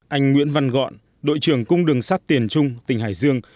anh nguyễn văn gọn đội trưởng cung đường sắt tiền trung tỉnh hải dương